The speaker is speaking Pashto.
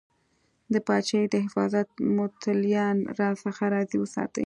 د پاچاهۍ د حفاظت متولیان راڅخه راضي وساتې.